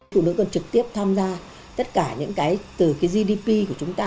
phụ nữ còn trực tiếp tham gia tất cả những cái từ cái gdp của chúng ta